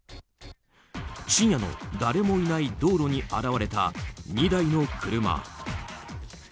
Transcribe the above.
深夜の誰もいない道路に現れた２台の車。